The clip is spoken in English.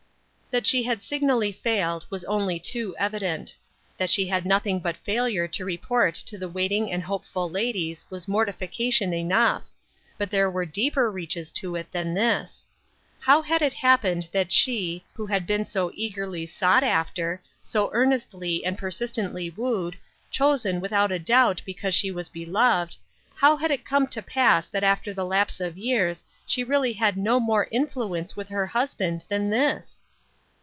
That she had signally failed, was only too evident ; that she had nothing but failure to re port to the waiting and hopeful ladies, was morti fication enough ; but there were deeper reaches to it than this. How had it happened that she, who had been so eagerly sought after, so earnestly and persistently wooed, chosen without a doubt because she was beloved, how had it come to pass that after the lapse of years she really had no more influence with her husband than this